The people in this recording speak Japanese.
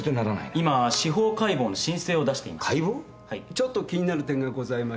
ちょっと気になる点がございまして。